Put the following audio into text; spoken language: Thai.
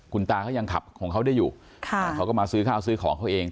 คุณตาเขายังขับของเขาได้อยู่เขาก็มาซื้อข้าวซื้อของเขาเอง